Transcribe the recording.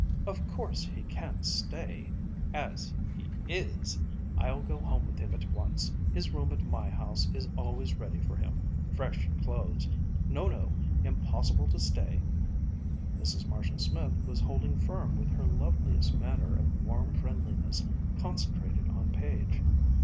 "Of course he can't stay as he is! I'll go home with him at once! His room at my house is always ready for him! fresh clothes! No, no impossible to stay!" Mrs. Marshall Smith was holding firm with her loveliest manner of warm friendliness concentrated on Page.